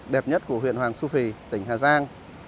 đặc biệt nhất của huyện hoàng su phi tỉnh hà giang